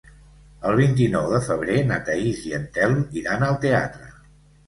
El vint-i-nou de febrer na Thaís i en Telm iran al teatre.